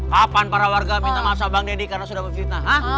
kapan para warga minta maaf sama bang deddy karena sudah berfitnah